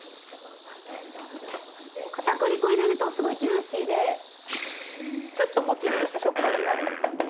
片栗粉入れるとすごいジューシーでちょっとモチッとした食感になるんですよね。